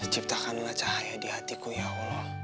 ciptakanlah cahaya di hatiku ya allah